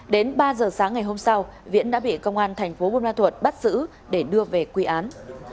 đến ba giờ sáng ngày hôm sau viễn đã bị công an tp bôn ma thuật bắt giữ để đưa về quy án